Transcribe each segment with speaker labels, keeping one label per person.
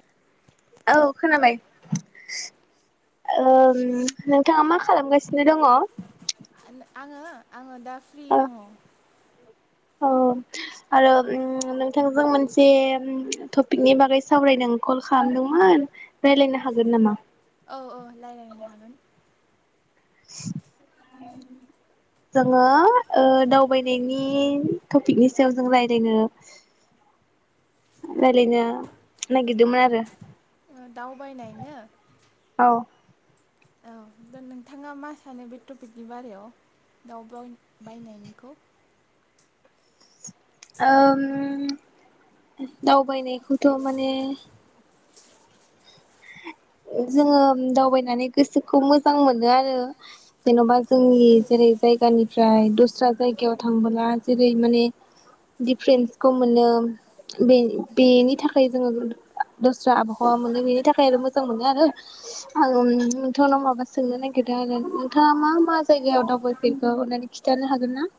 Speaker 1: [inaudible] औ खोनाबाय हम नोंथाङा मा खालामगासिनो दङ
Speaker 2: आंङो आंङो दा फ्रि दङ
Speaker 1: औ आरो नोंथांजों मोनसे टपिकनि बागै सावरायनानै कल खालामदोंमोन राय्लायनो हागोन नामा? जोङो ओ दावबायनायनि टपिकनि सायाव जों रायलायनो रायलायनो नागिरदोंमोन आरो
Speaker 2: ओ दावबायनायनो
Speaker 1: औ
Speaker 2: औ दा नोंथाङा मा सानो बे टपिकनि बारायाव दाउ बायनायनिखौ
Speaker 1: ओम दावबायनायखौथ' माने जोङो दावबायनानै गोसोखौ मोजां मोनो आरो जेनेबा जोंनि जेरै जायगानिफ्राय दस्रा जायगायाव थांबोला जेरै माने दिफारेन्सखौ मोनो बे-बेनि थाखाय जोङो दस्रा आबहावा मोनो बेनि थाखाय आरो मो मोजां मोनो आरो आं नोंथांनाव माबा सोंनो नागिरदों आरो नोंथाङा मा मा जायगायाव दावबायफेरखौ अनानै खिन्थानो हागोन ना?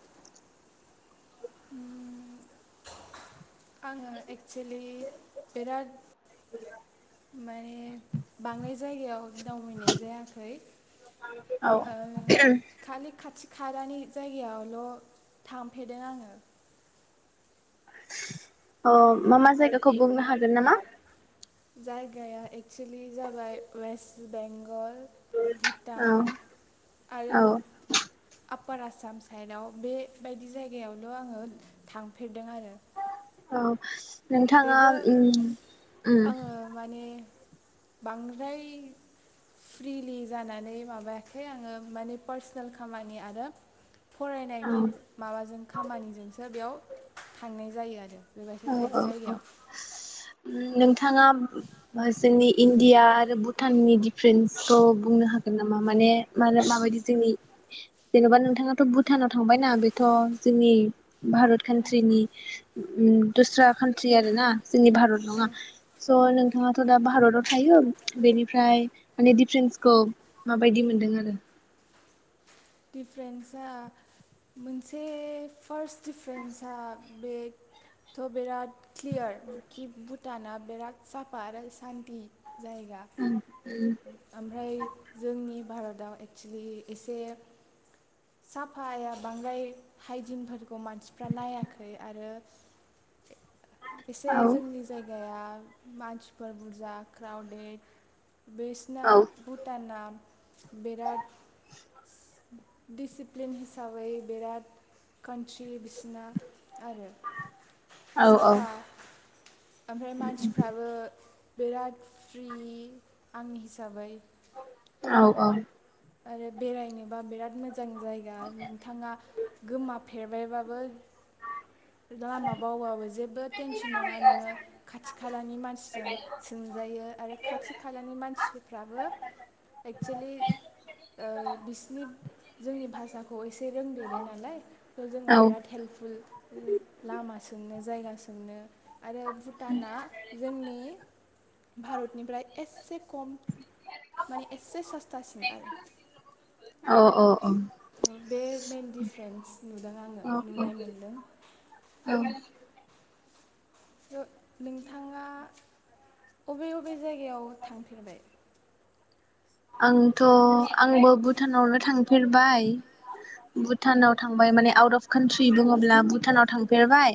Speaker 2: आङो एक्सलि बिराद माने बांआइ जायगायाव दावबायनाय जायाखै हम खालि खाथि खालानि जायगायावल थांफेरदों आङो।
Speaker 1: [inaudible] औ मा मा जायगाखौ बुंनो हा गोन नामा?
Speaker 2: जायगाया एक्सलि जाबाय वेस्ट बें गल, भुटान आरो आपार आसाम साइडआव बेबायदि जायगायावल आङो थांफेरदों आरो
Speaker 1: औ नोंथाङा हम हम
Speaker 2: बांद्राय फ्रिलि जानानै माबायाखै आङो माने पार्सनेल खामानि आरो फरायनायनि माबाजों खामानिजोंसो बेयाव थांनाय जायो आरो बेबायदि जायो।
Speaker 1: औ उ नोंथाङा जोंनि इण्डिया आरो भुटाननि डिफारेन्सखौ बुंनो हागोन नामा? माने मा-माबायदि जोंनि जेनेबा नोंथाङाथ भुटानाव थांबायनाा बेथ जोंनि भारत कान्ट्रिनि दस्रा कान्ट्रि आरोना जोंनि भारत नङा स' नोंथाङाथ' दा भारताव थायो बेनिफ्राय माने डिफारेन्सखौ माबायदि मोनदों आरो,
Speaker 2: दिफारेन्सा मोनसे फार्स्ट दिडफारेन्सा बेगथ' बिराद क्लियार खि बु टाना बिराद साफात आरो सान्ति जायगा ओमफ्राय जोंनि भारताव एक्सुलि एसे साफाया बांद्राय हाइजिनफोरखौ मानसिफ्रा नायाखै आरो एसे जोंनि जायगाया मानसिफोर बुरजा क्राउडेड बिसना भुटान ना बिराद दिडिसिप्लिन हिसाबै बिराद कान्ट्रि बिसिना आरो साफा ओमफ्राय मानसिफ्राबो बिराद फ्रि आंनि हिसाबै
Speaker 1: औ औ
Speaker 2: आरो बेरायनोबा बिराद मोजां जायगा नोंथाङा गोमा फेरबायबाबो लामा बावबाबो जेब बो टेनसन नङा नोङो खाथि खा खालानि मानसिजों सोंजायो आरो खाथि खालानि मानसिफ्राबो एक्सलि बिसिनि जोंनि भाषाखौ एसे रोंदेरो नालाय बे जोङो बिराद हेल्पफुल लामा सोंनो जायगा सोंनो आरो भुटाना जोंनि भारतनिफ्राय एसे खम माने एसे सस्थासिन आरो बे मेइन डिफारेन्स नुदों आङो नुनाय मोनदों नोंथाङा अबे ब अबे जायगायाव थांफेरबाय
Speaker 1: आंथ' आंबो भुटानावनो थांफेरबाय भुटानाव थांबाय माने आउट अफ कान्ट्रि बुङोब्ला भुटानाव थांफेरबाय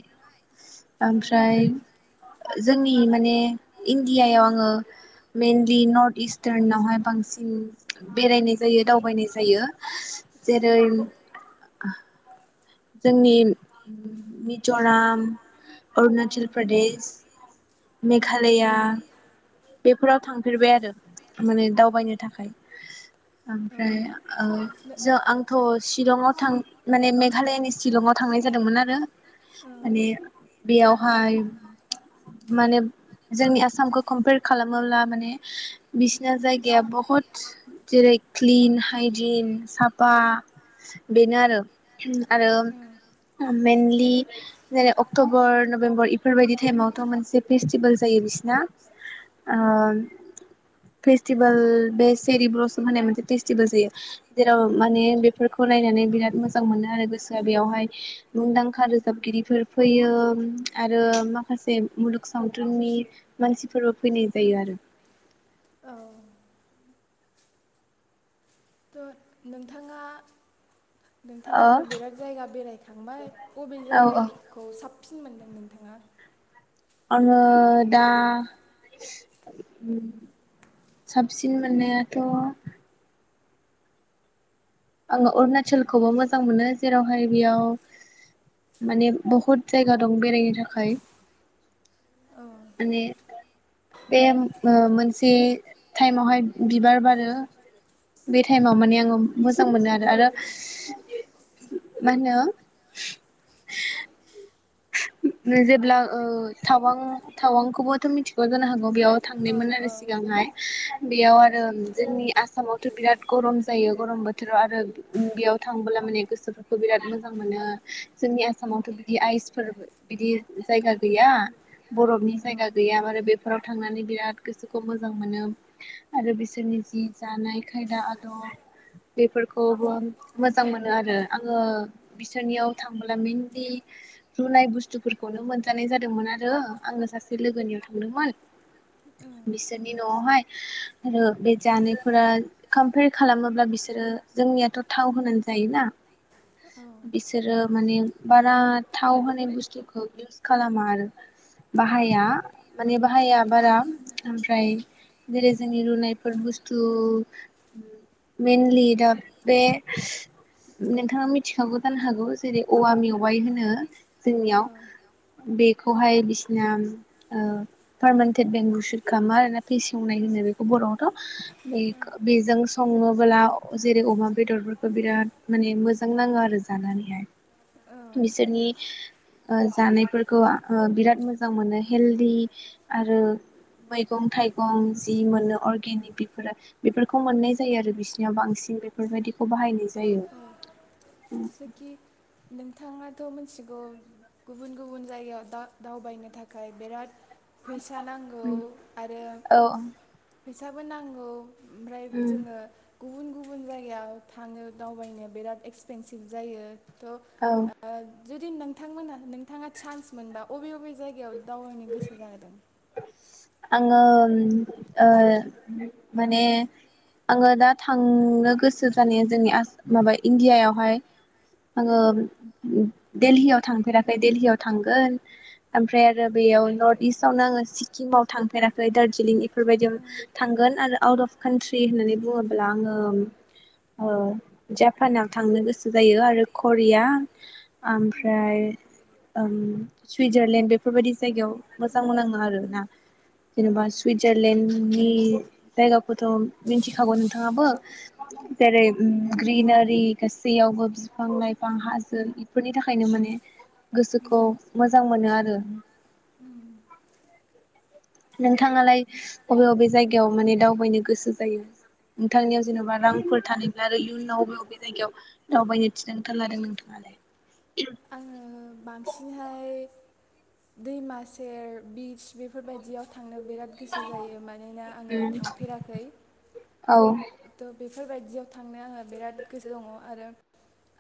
Speaker 1: ओमफ्राय जोंनि माने इण्डियायाव आङो मइनलि नर्थ इस्टार्नावहाय बांसिन सिन बेरायनाय जायो दावबायनाय जायो जेरै जोंनि मिज'राम अरुणाचल प्रदेश मेघालया बेफोराव थांफेरबाय आरो माने दावबायनो थाखाय ओमफ्राय ओ जों आंथ' सिलंआव थां माने मेघालयानि शिलंआव थांनाय जादोंमोन आरो माने बेयावहाय माने जोंनि आसामखौ कम्पियार खालामोब्ला माने बिसिना जायगाया बहुद जेरै क्लिन हाइजिन साफा बेनो आरो आरो मइनलि जेरै अक्ट'बर नभेम्बर इफोरबायदि टाइमावथ' मोनसे फेस्टिभेल जायो बिसिना ओम फेस्टिभेल बे सेरि ब्लस होननाय मोनसे फेस्टिभेल जायो जेराव माने बेफोरखौ नायनानै बिराद मोजां मोनो आरो गोसोआ बेयावहाय मुंदांखा रोजाबगिरिफोर फैयो आरो माखासे मुलुग सावथुननि मानसिफोरबो फैनाय जायो आरो।
Speaker 2: औ। थ' नोंथाङा नोंथाङाथ' बिराद जायगा बेरायखांबाय अबे जायगाखौ साफ सिन मोनदों नोंथाङा?
Speaker 1: आङो दा साबसिन मोननायाथ' आङो अरुणाचलखौबो मोजां मोनो जेरावहाय बेयाव माने बहुद जायगा दं बेरायनो थाखाय माने बे मोनसे ओ टाइमावहाय बिबार बारो बे टाइमाव माने आङो मोजां मोनो आरो आरो मा होनो जेब्ला ओ थावां थावांखौबोथ' मिथिगौ जानो हागौ बेयाव थांनायमोन आरो सिगांहाय बेयाव आरो जोंनि आसामावथ' बिराद गरम जायो गरम बोथोराव आरो बेयाव थांबोब्ला माने गोसोफोरखौ बिराद मोजां मोनो जोंनि आसामावथ' बिदि आइस फोर बिदि जायगा गैया बरफनि जायगा गैया आरो बेफोराव थांनानै बिराद गोसोखौ मोजां मोनो आरो बिसोरनि जि जानाय खायदा आदब बेफोरखौबो मोजां मोनो आरो आङो बिसोरनियाव थांबोला मेनलि रुनाय बुस्थुफोरखौनो मोनजानाय जादोंमोन आरो आङो सासे लोगोनि याव थांदोंमोन बिसोरनि न'आवहाय आरो बे जानायफोरा कमपयार खालामोब्ला बिसोरो जोंनियाथ' थाव होनानै जायोना बिसोरो माने बारत थाव होनाय बुस्थुखौ इउस खालामा आरो बाहाया माने बा हाया बारा ओमफ्राय जेरै जोंनि रुनायफोर बुस्थु मेनलि दा बे नोंथाङा मिथिखागौ जानो हागौ जेरै औवा मेवाइ होनो। जोंनियाव बेख खौहाय बिसिना ओ पारमानेटेट बेंमबु सुद खालामो आरोना बेसेवनाय जोनो बेखौ बर'वाव बे बेजों सङोब्ला जेरै अमा बेदरफोरखौ बिराद माने मोजां नाङो आरो जानानैहाय। बिसोरनि ओ जानायफोरखौ बिराद मोजां मोनो हेल्दि आरो मैगं थाइगं जि मोनो अर्गेनिक बेफोरो बेफोरखौ मोननाय जायो आरो बिसिनियाव बांसिन बेफोरबायदि खौ बाहायनाय जायो।
Speaker 2: थ' मिथिगौ गुबुन गुबुन जायगायाव दा- दावबायनो थाखाय बिराद फैसा नांगौ आरो फैसाबो नांगौ ओमफ्राय जोङो गुबुन गुबुन जायगायाव थाङो दावबायनो बिराद एक्सपेनसिभ जायो थ ओ जुदि नोंथांमोनहा नोंथाङा चान्स मोनबा अबे अबे जायगायाव दावबायनो गोसो जादों?
Speaker 1: आङो माने आङो दा थांनो गोसो जानाया जोंनि माबा इण्डियायावहाय आङो दिल्लीयाव हाय थांफेराखै दिल्लीयाव थांगोन ओमफ्राय आरो बेयाव नर्थ इस्टआवनो आङो सिक्किमाव थांफेराखै दार्जिलिं एफोरबायदियाव थांगोन आरो आउट अफ कान्ट्रि होननानै बुङोब्ला आङो ओ जापानाव थांनो गोसो जायो आरो करिया ओमफ्राय ओम सुइजारलेण्ड बेफोरबायदि जायगायाव मोजां नाङो आरोना जेनेबा सुइजारलेण्ड नि जायगाखौथ' मिन्थिखागौ नोंथाङाबो जेरै ग्रिनारि गासैयावबो बिफां लाइफां हाजो बेफोरनि थाखायनो माने गोसोखौ मोजां मोनो आरो नोंथाङालाय बबे बबे जायगायाव माने दावबायनो गोसो जायो नोंथांनियाव जेन'बा रांफोर थानायब्ला आरो इयुनाव बबे बबे जायगायाव दावबायनो थिरांथा लादों नोंथाङालाय?
Speaker 2: आङो बांसिनहाय दैमा सेर बिच बेफोरबायदियाव थांनो बिराद गोसो जायो मानोना आङो थांफेराखै।
Speaker 1: औ
Speaker 2: बेफोरबायदियाव थांनो आङो बिराद गोसो दङ आरो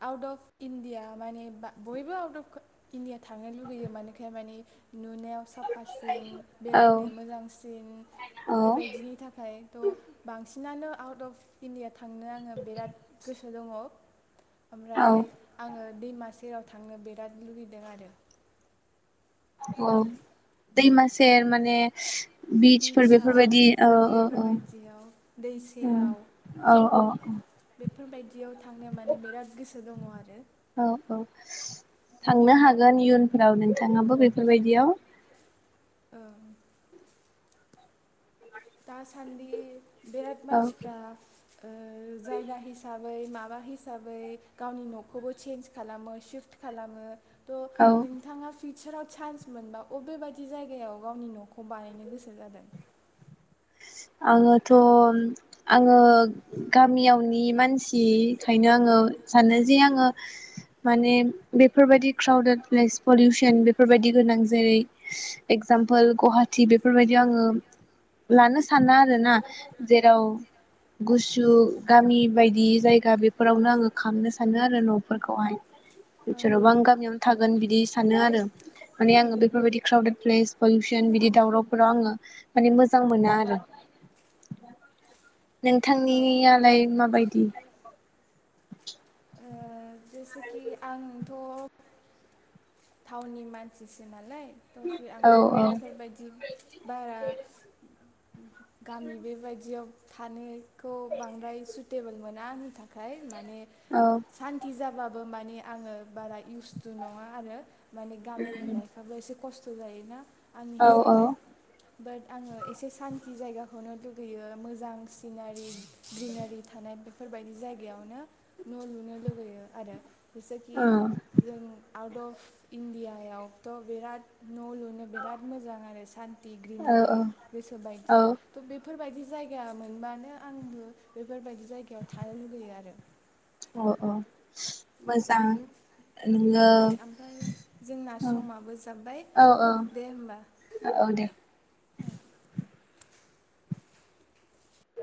Speaker 2: आउट अफ इण्डिया माने बा बयबो आउट अफ इण्डिया थांनो लुगैयो मानोखाय माने। नुनायाव साफासिन बेरायनो मोजांसिन बेबायदिनि थाखायथ' बांसि- नानो आउट अफ इण्डिया थांनो आङो बिराद गोसो दङ। ओमफ्राय आङो दैमा सेराव थांनो बिराद लुगैदों आरो
Speaker 1: औ दैमा सेर माने-
Speaker 2: बिचआव बेफोरबायदियाव दै सेराव बेफोरबायदियाव थांनो माने बिराद- गोसो दङ आरो।
Speaker 1: थांनो हागोन इयुनफोराव नोंथाङाबो बेफोरबायदियाव।
Speaker 2: औ दासान्दि बेराद मानसिफ्रा जायगा हिसाबै- बै माबा हिसाबै गावनि न'खौबो चेन्ज खालामो सिफ्ट खालामो। त' नोंथाङा फिद- बिफोराव चान्स मोनबा अबेबादि जायगायाव गावनि न'खौ बानायनो गोसो जादों।
Speaker 1: आङोथ' आङो गामियावनि मानसिखायनो आङो सानो जे आङो माने बेफोरबायदि क्राउदेड प्लेस पलिउसन बेफोरबायदि गोनां जायै एगजामपोल गुवाहाटि बेफोरबायदियाव आङो लानो साना आरो ना। जेराव गुसु गामि बायदि जायगा बेफोरावनो आङो खांमनो सानो आरो न'फोरखौहाय जेरावबा आं गामियावनो थागोन बिदि सानो आरो माने आङो बेफोरबायदि क्राउडेड प्लेस पलिउसन बिदि दावरावफोराव आङो माने मोज मोजां मोना आरो नोंथांनियालाय माबायदि? [inaudible]
Speaker 2: जेसेखि आंथ' टाउननि मानसिसो नालाय। थ'फि आंथ' बेफोरबायदि बारा गामि बेबायदियाव थानोखौ बांद्राय सुइटेबोल मोना आंनि थाखाय। माने सानथि जाबाबो बो माने आङो बारा इउसथु नङा आरो माने गामिनि लाइफाबबो एसेख खस्थ' जायोना? आंनि हिसाबै बाट आङो एसे सानस जि जायगाखौनो लुगैयो मोजां सिनारि ग्रिनारि थानाय बेफोरबायदि जायगायावनो न' लुनो लुगैयो आरो। सेखि जों आउट अफ इन्दियावथ' बिराद न' लुनो बिराद मोजां आरो सान्थि ग्रिनारि गोसो बायदि थ' बेफोरबायदि जायगा मोनबानो आंबो बेफोरबायदि जायगायाव थानो लुुगैयो आरो।
Speaker 1: अ अ मोजां।
Speaker 2: दे ओमफाय जोंना समाबो जाब्बाय दे होमबा।